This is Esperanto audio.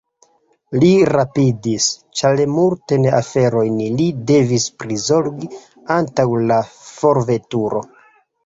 Li rapidis, ĉar multajn aferojn li devis prizorgi antaŭ la forveturo.